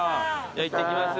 行ってきます。